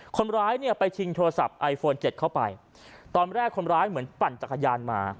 คนร้ายเนี่ยไปชิงโทรศัพท์ไอโฟนเจ็ดเข้าไปตอนแรกคนร้ายเหมือนปั่นจักรยานมา